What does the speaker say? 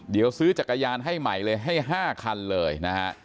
เดี๋ยวซื้อจักรยานให้ใหม่เลยให้๕คันเลยนะฮะ